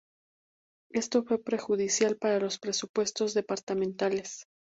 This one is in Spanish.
Esto fue perjudicial para los presupuestos departamentales.